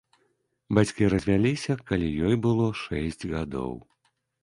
Бацькі развяліся, калі ёй было шэсць гадоў.